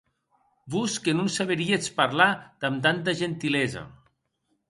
Vos que non saberíetz parlar damb tanta gentilesa.